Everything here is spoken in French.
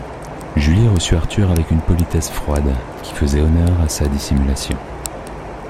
Julie reçut Arthur avec une politesse froide qui faisait honneur à sa dissimulation.